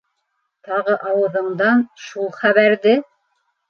Тағы ауыҙыңдан... шул хәбәрҙе!